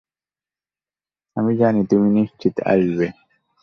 আমি জানি তুমি নিশ্চিত আসবে।